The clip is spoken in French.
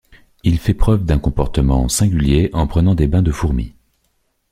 Il fait preuve d'un comportement singulier en prenant des bains de fourmis.